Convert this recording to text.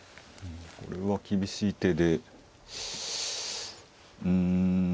これは厳しい手でうん。